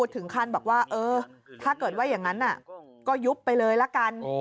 ถึงขั้นบอกว่าเออถ้าเกิดว่าอย่างนั้นก็ยุบไปเลยละกัน